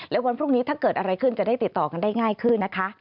และวันพรุ่งนี้ถ้าเกิดอะไรขึ้นจะได้ติดต่อกันได้ง่ายขึ้นนะคะ